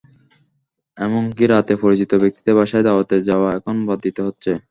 এমনকি রাতে পরিচিত ব্যক্তিদের বাসায় দাওয়াতে যাওয়াও এখন বাদ দিতে হচ্ছে।